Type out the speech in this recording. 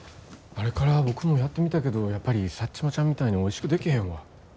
あれから僕もやってみたけどやっぱりサッチモちゃんみたいにおいしく出来へんわ。